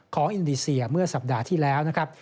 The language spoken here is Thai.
อินโดนีเซียเมื่อสัปดาห์ที่แล้วนะครับ